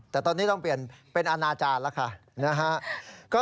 แต่ตอนนี้ต้องเปลี่ยนเป็นอนาจารย์แล้วค่ะนะฮะ